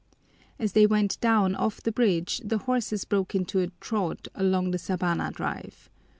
As they went down off the bridge the horses broke into a trot along the Sabana Drive.